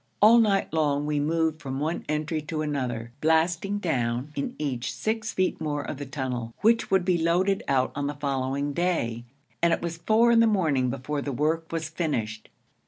All night long we moved from one entry to another, blasting down in each six feet more of the tunnel, which would be loaded out on the following day; and it was four in the morning before the work was finished.